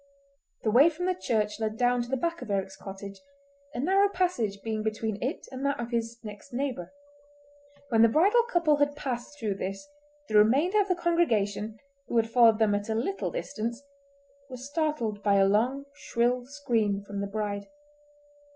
The way from the church led down to the back of Eric's cottage, a narrow passage being between it and that of his next neighbour. When the bridal couple had passed through this the remainder of the congregation, who had followed them at a little distance, were startled by a long, shrill scream from the bride.